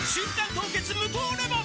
凍結無糖レモン」